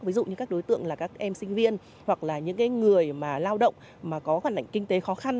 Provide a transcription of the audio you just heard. ví dụ như các đối tượng là các em sinh viên hoặc là những người mà lao động mà có hoàn cảnh kinh tế khó khăn